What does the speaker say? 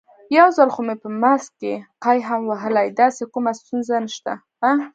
یو ځل خو مې په ماسک کې قی هم وهلی، داسې کومه ستونزه نشته.